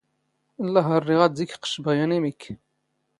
ⵍⵍⴰⵀ ⴰⵔ ⵔⵉⵖ ⴰⴷ ⴷⵉⴽ ⵇⵛⵛⴱⵖ ⵢⴰⵏ ⵉⵎⵉⴽⴽ.